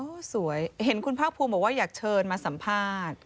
สวยเห็นคุณภาคภูมิบอกว่าอยากเชิญมาสัมภาษณ์